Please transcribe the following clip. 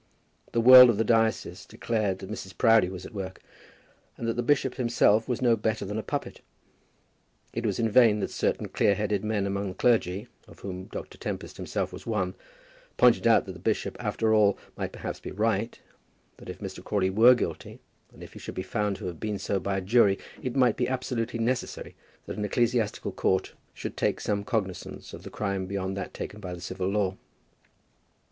The world of the diocese declared that Mrs. Proudie was at work, and that the bishop himself was no better than a puppet. It was in vain that certain clear headed men among the clergy, of whom Dr. Tempest himself was one, pointed out that the bishop after all might perhaps be right; that if Mr. Crawley were guilty, and if he should be found to have been so by a jury, it might be absolutely necessary that an ecclesiastical court should take some cognizance of the crime beyond that taken by the civil law.